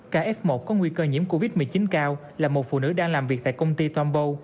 k f một có nguy cơ nhiễm covid một mươi chín cao là một phụ nữ đang làm việc tại công ty tombow